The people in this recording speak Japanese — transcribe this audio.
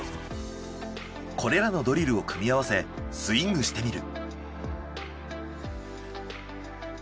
これらのドリルを組み合わせスイングしてみる。